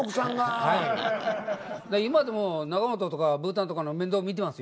今でも仲本とかブーたんとかの面倒見てますよ。